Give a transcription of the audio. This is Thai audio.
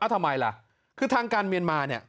ทำไมล่ะคือทางการเมียนมาเนี่ย